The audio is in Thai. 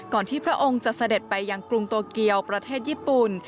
ที่พระองค์จะเสด็จไปยังกรุงโตเกียวประเทศญี่ปุ่น